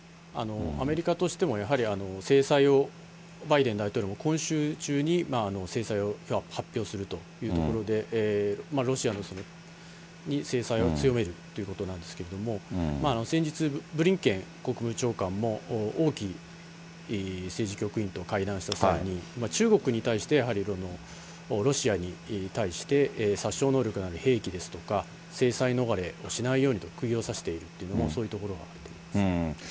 アメリカとしてもやはり制裁を、バイデン大統領も今週中に制裁を発表するというところで、ロシアに制裁を強めるということなんですけれども、先日、ブリンケン国務長官も、王毅政治局委員と会談した際に、中国に対して、やはりロシアに対して、殺傷能力のある兵器ですとか、制裁逃れをしないようにと、くぎを刺しているということもそういうところがあると思います。